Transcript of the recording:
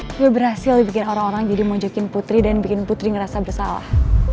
sudah berhasil dibikin orang orang jadi mojokin putri dan bikin putri ngerasa bersalah